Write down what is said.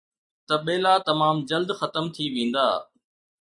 ته ٻيلا تمام جلد ختم ٿي ويندا.